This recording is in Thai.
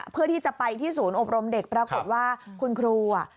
เพื่อที่จะไปที่ศูนย์อบรมเด็กปรากฏว่าคุณครูอ่ะ